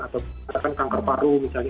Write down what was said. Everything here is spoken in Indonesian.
atau katakan kanker paru misalnya